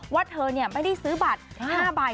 ว่าเธอไม่ได้ซื้อบัตร๕ใบ